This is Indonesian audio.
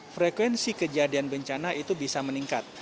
frekuensi kejadian bencana itu bisa meningkat